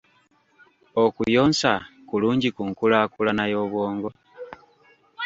Okuyonsa kulungi ku nkulaakulana y'obwongo?